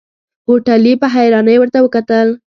هوټلي په حيرانۍ ورته وکتل.